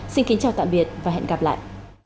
xin chào tạm biệt và hẹn gặp lại